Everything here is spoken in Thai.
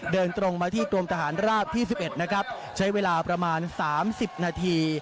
เดินตรงมาที่กรมทหารราบที่๑๑นะครับใช้เวลาประมาณ๓๐นาที